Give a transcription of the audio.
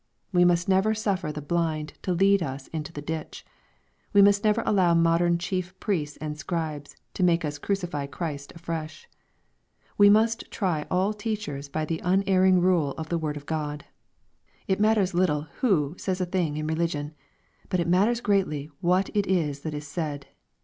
We must never suffer the blind to lead us into the ditch. We must never allow modern chief priests and scribes to make us crucify Christ afresh. We must try all teachers by the unerring rule of the word of Gk)d. It matters little who says a thing in relig ion ;— but it matters greatly what it is that is said.